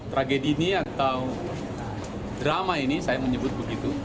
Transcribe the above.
tragedi ini atau drama ini saya menyebut begitu